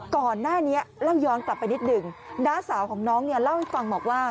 ก่อนหน้านี้เล่าย้อนกลับไปนิดหนึ่งน้าสาวของน้องเนี่ยเล่าให้ฟังบอกว่า